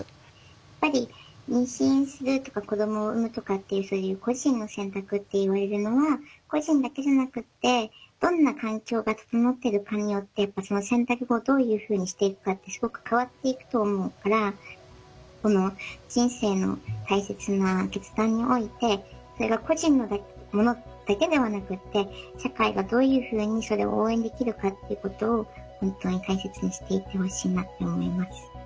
やっぱり妊娠するとか子どもを産むとかっていうそういう個人の選択っていわれるのは個人だけじゃなくってどんな環境が整っているかによってその選択をどういうふうにしていくかってすごく変わっていくと思うから人生の大切な決断においてそれが個人のものだけではなくって社会がどういうふうにそれを応援できるかっていうことを本当に大切にしていってほしいなって思います。